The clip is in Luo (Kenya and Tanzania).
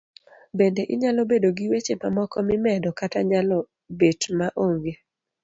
Bende inyalo bedo gi weche mamoko mimedo kata nyalo betma onge